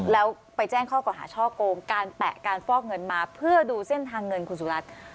แล้วไปแจ้งข้อกว่าหาช่อโกงการแปะการฟอกเงินมาเพื่อดูเส้นทางเงินคุณสุรัตน์